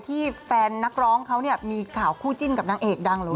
ที่แฟนนักร้องเขามีข่าวคู่จิ้นกับนางเอกดังเลย